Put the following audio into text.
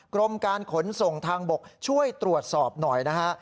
กรมการขนส่งทางบกช่วยตรวจสอบหน่อยนะฮะ